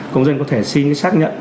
công dân có thể xin xác nhận